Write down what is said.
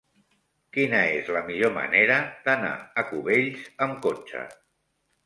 Quina és la millor manera d'anar a Cubells amb cotxe?